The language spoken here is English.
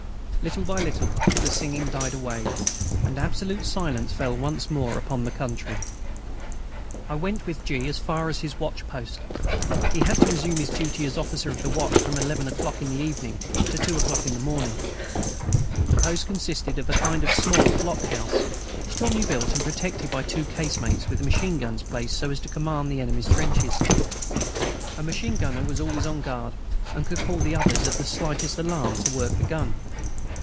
Little by little the singing died away, and absolute silence fell once more upon the country. I went with G. as far as his watch post. He had to resume his duty as officer of the watch from eleven o'clock in the evening to two o'clock in the morning. The post consisted of a kind of small blockhouse, strongly built and protected by two casemates with machine guns placed so as to command the enemy's trenches. A machine gunner was always on guard, and could call the others, at the slightest alarm, to work the gun.